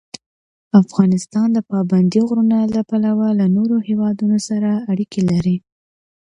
افغانستان د پابندی غرونه له پلوه له نورو هېوادونو سره اړیکې لري.